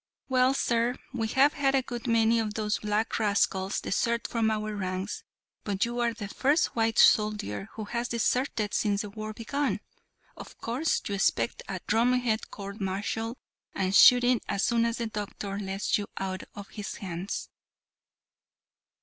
"Well, sir, we have had a good many of those black rascals desert from our ranks, but you are the first white soldier who has deserted since the war began. Of course, you expect a drumhead court martial and shooting as soon as the doctor lets you out of his hands."